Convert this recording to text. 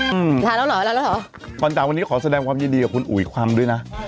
อืมลาแล้วเหรอลาแล้วเหรอก่อนจากวันนี้ขอแสดงความยินดีกับคุณอุ๋ยความด้วยนะ